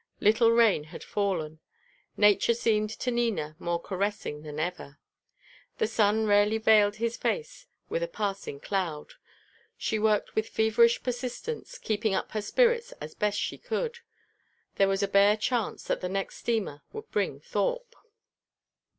Little rain had fallen. Nature seemed to Nina more caressing than ever. The sun rarely veiled his face with a passing cloud. She worked with feverish persistence, keeping up her spirits as best she could. There was a bare chance that the next steamer would bring Thorpe.